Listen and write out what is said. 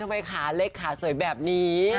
ทำไมหลักขาสวยแบบนี้